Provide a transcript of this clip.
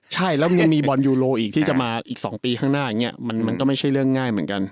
ใช่แล้วยังมีบอลยูโรอีกที่จะมาอีก๒ปีข้างหน้าอย่างนี้มันก็ไม่ใช่เรื่องง่ายเหมือนกัน